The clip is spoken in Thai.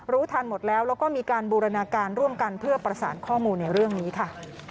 ทันหมดแล้วแล้วก็มีการบูรณาการร่วมกันเพื่อประสานข้อมูลในเรื่องนี้ค่ะ